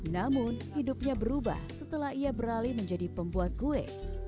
namun hidupnya berubah setelah ia beralih menjadi pembuat kue